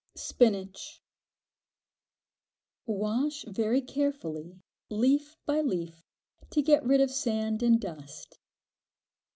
Spinach. Wash very carefully, leaf by leaf, to get rid of sand and dust.